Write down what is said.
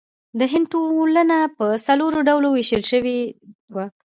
د هند ټولنه په څلورو ډلو ویشل شوې وه.